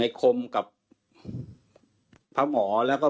มีพฤติกรรมเสพเมถุนกัน